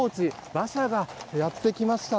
馬車がやってきました。